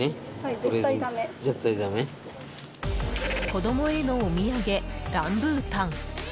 子供へのお土産ランブータン。